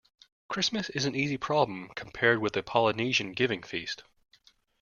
Christmas is an easy problem compared with a Polynesian giving-feast.